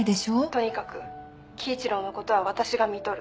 とにかく貴一郎のことは私がみとる。